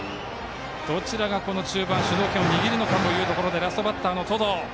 どちらが中盤主導権を握るのかというところでラストバッターの登藤。